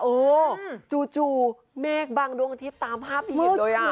โอ้จู่แม่กบังดวงอาทิตย์ตามภาพอีกเลยอ่ะ